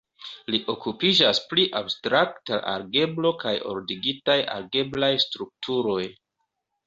Li okupiĝas pri abstrakta algebro kaj ordigitaj algebraj strukturoj.